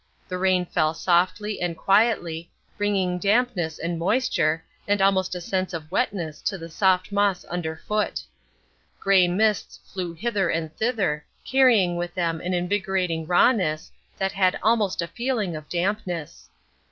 The rain fell softly and quietly, bringing dampness and moisture, and almost a sense of wetness to the soft moss underfoot. Grey mists flew hither and thither, carrying with them an invigorating rawness that had almost a feeling of dampness.